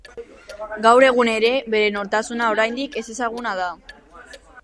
Gaur egun ere bere nortasuna oraindik ezezaguna da.